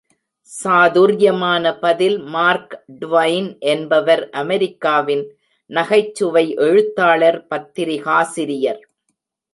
சாதுர்யமான பதில் Mark Twain என்பவர் அமெரிக்காவின் நகைச்சுவை எழுத்தாளர் பத்திரிகாசிரியர்.